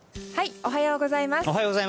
おはようございます。